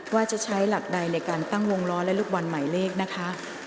ว่าจะใช้หลักใดในการตั้งวงล้อและลูกบอลหมายเลขนะคะ